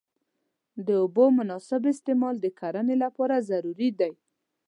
د اوبو مناسب استعمال د کرنې لپاره ضروري دی.